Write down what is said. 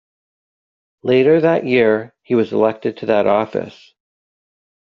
Later that year, he was elected to that office.